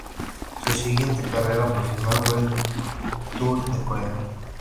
Su siguiente carrera profesional fue el Tour de Corea.